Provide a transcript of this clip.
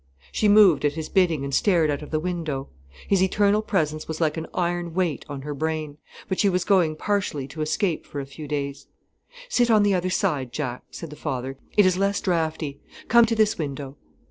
She moved at his bidding, and stared out of the window. His eternal presence was like an iron weight on her brain. But she was going partially to escape for a few days. "Sit on the other side, Jack," said the father. "It is less draughty. Come to this window."